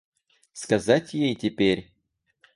Сказать ей теперь?